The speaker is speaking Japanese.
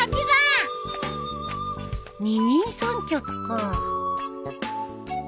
二人三脚か